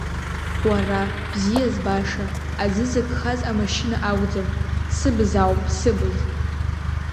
Уара, бзиа збаша, аӡы зыгхаз амашьына акәӡам, сыбз ауп, сыбз.